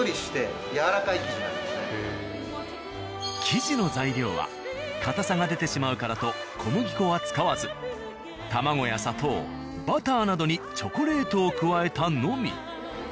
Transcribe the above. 生地の材料はかたさが出てしまうからと小麦粉は使わず卵や砂糖バターなどにチョコレートを加えたのみ。